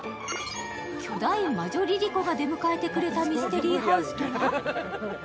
巨大魔女ＬｉＬｉＣｏが出迎えてくれたミステリーハウスとは？